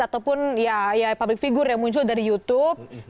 ataupun ya public figure yang muncul dari youtube